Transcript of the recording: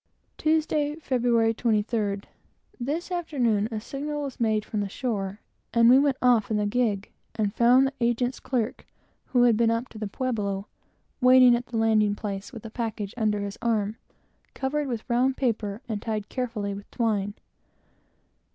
Tuesday, Feb. 23d. This afternoon, a signal was made from the shore, and we went off in the gig, and found the agent's clerk, who had been up to the pueblo, waiting at the landing place, with a package under his arm, covered with brown papers and tied carefully with twine.